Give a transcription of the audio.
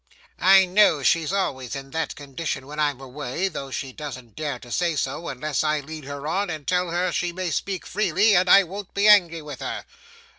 I know she's always in that condition when I'm away, thought she doesn't dare to say so, unless I lead her on and tell her she may speak freely and I won't be angry with her.